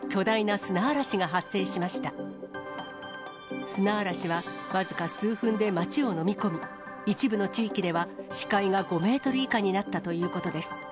砂嵐は僅か数分で街を飲み込み、一部の地域では視界が５メートル以下になったということです。